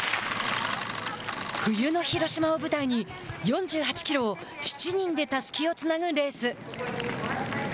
冬の広島を舞台に４８キロを７人でたすきをつなぐレース。